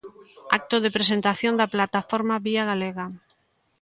Acto de presentación da plataforma Vía Galega.